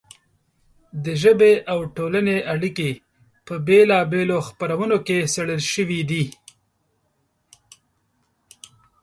د ژبې او ټولنې اړیکې په بېلا بېلو خپرونو کې څېړل شوې دي.